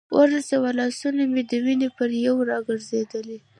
ورساوه، لاسونه مې د ونې پر یوې را ځړېدلې.